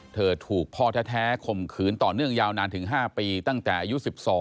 ถูกพ่อแท้ข่มขืนต่อเนื่องยาวนานถึง๕ปีตั้งแต่อายุ๑๒